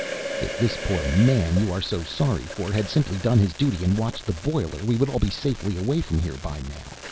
"If this poor man you are so sorry for had simply done his duty and watched the boiler, we would all be safely away from here by now.